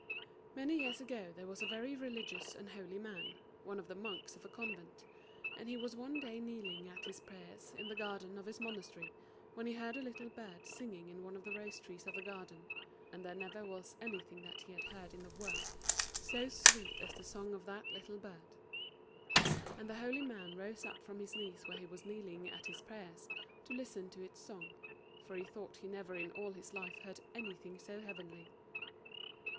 Many years ago there was a very religious and holy man, one of the monks of a convent, and he was one day kneeling at his prayers in the garden of his monastery, when he heard a little bird singing in one of the rose trees of the garden, and there never was anything that he had heard in the world so sweet as the song of that little bird. And the holy man rose up from his knees where he was kneeling at his prayers to listen to its song; for he thought he never in all his life heard anything so heavenly.